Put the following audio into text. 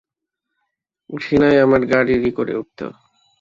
ঘৃণায় আমার গা রি-রি করে উঠত।